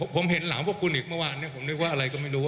ผมเห็นหลังพวกคุณอีกเมื่อวานนี้ผมนึกว่าอะไรก็ไม่รู้